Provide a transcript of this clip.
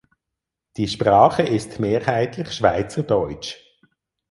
Die Sprache ist mehrheitlich Schweizerdeutsch.